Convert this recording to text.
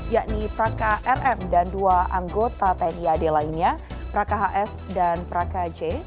yakni prakarm dan dua anggota tni lainnya prakhs dan prakaj